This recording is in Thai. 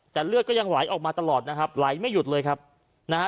แต่เลือดก็ยังไหลออกมาตลอดนะครับไหลไม่หยุดเลยครับนะฮะ